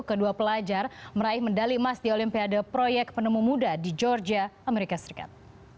kedua pelajar meraih medali emas di olimpiade proyek penemu muda di georgia amerika serikat